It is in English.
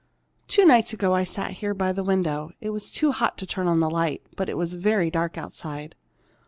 "Two nights ago, I sat here by the window. It was too hot to turn on the light, but it was very dark outside.